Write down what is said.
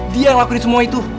dia yang lakuin semua itu